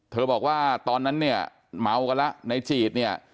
บอกว่าตอนนั้นเนี่ยเมากันแล้วในจีดเนี่ย